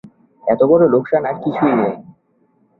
এতবড়ো লোকসান আর কিছুই নেই।